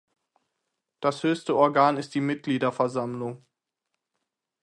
Das höchste Organ ist die Mitgliederversammlung.